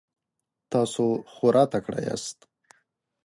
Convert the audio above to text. تاسو خورا تکړه یاست.